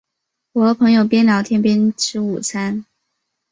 我和朋友边聊天边吃午餐